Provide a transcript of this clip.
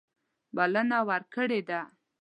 بلنه ورکړې ده.